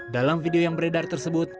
dalam video yang beredar tersebut